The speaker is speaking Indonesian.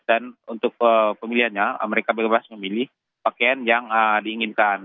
dan untuk pemilihannya mereka bebas memilih pakaian yang diinginkan